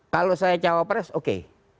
kalau saya cawapres oke